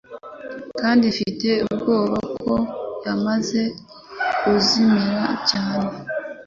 kandi mfite ubwoba ko yamaze kuzimira cyane